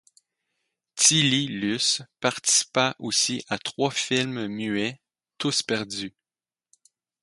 Tilly Lus participa aussi à trois films muets, tous perdus.